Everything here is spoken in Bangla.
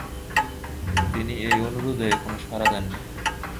তিনি এই অনুরোধে কোন সারা দেননি।